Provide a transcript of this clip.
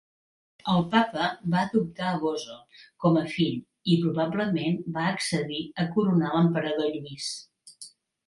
El papa va adoptar a Boso com a fill i probablement va accedir a coronar l'emperador Lluís.